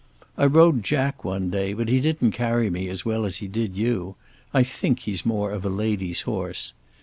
I rode Jack one day, but he didn't carry me as well as he did you. I think he's more of a lady's horse.